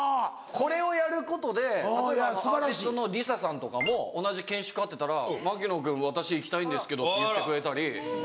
これをやることで例えばアーティストのＬｉＳＡさんとかも同じ犬種飼ってたら「槙野君私行きたいんですけど」って言ってくれたり。